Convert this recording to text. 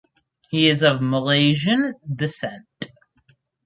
He is of Malaysian descent.